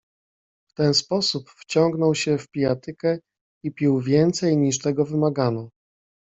"W ten sposób wciągnął się w pijatykę i pił więcej, niż tego wymagano."